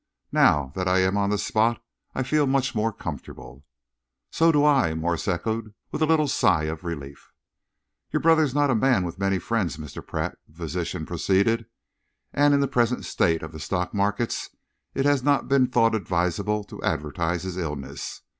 "Now that I am on the spot, I feel much more comfortable." "So do I," Morse echoed, with a little sigh of relief. "Your brother is not a man with many friends, Mr. Pratt," the physician proceeded, "and in the present state of the stock markets it has not been thought advisable to advertise his illness.